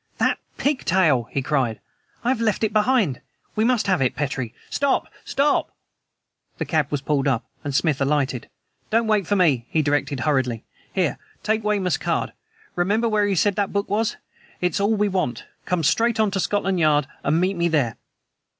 "That pigtail!" he cried. "I have left it behind! We must have it, Petrie! Stop! Stop!" The cab was pulled up, and Smith alighted. "Don't wait for me," he directed hurriedly. "Here, take Weymouth's card. Remember where he said the book was? It's all we want. Come straight on to Scotland Yard and meet me there."